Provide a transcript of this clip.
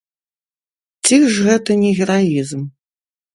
Ці ж гэта не гераізм?